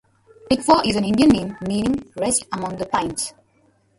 Tickfaw is an Indian name meaning Rest Among the Pines.